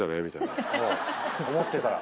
思ってたら。